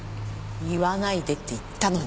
言わないでって言ったのに。